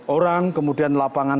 orang kemudian lapangan